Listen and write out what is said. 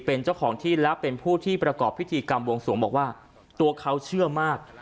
เป็นเจ้าของที่และเป็นผู้ที่ประกอบพิธีกรรมวงสวงบอกว่าตัวเขาเชื่อมาก